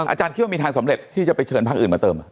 อาจารย์คิดว่ามีทางสำเร็จที่จะไปเชิญพักอื่นมาเติม